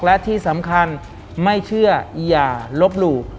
และที่สำคัญไม่เชื่ออย่าลบหลู่